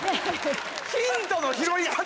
ヒントの拾い方